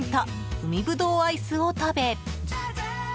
海ぶどうアイスを食べ。